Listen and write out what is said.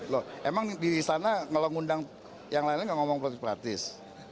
loh emang di istana kalau ngundang yang lainnya tidak ngomong politik praktis